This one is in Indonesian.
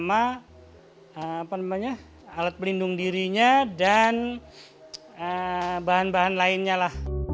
alat pelindung dirinya dan bahan bahan lainnya lah